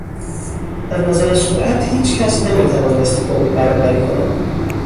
از نظر سرعت هیچ کس نمیتوانست با او برابری کند.